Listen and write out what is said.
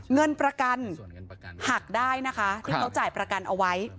เงินประกันหักได้นะคะที่เขาจ่ายประกันเอาไว้